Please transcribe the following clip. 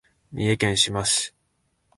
三重県志摩市